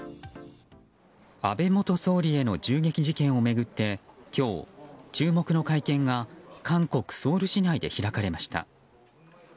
安倍元総理への銃撃事件を巡って今日注目の会見が韓国ソウル市内で開かれました。